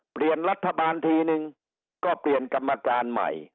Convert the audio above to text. เปลี่ยนรัฐบาลทีนึงก็เปลี่ยนกรรมการใหม่